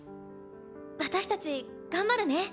私たち頑張るね。